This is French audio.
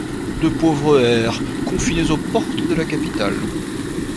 De pauvres hères confinés aux portes de la capitale